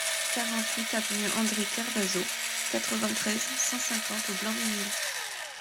quarante-huit avenue André Kervazo, quatre-vingt-treize, cent cinquante au Blanc-Mesnil